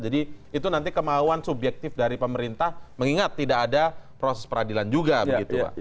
jadi itu nanti kemauan subjektif dari pemerintah mengingat tidak ada proses peradilan juga begitu pak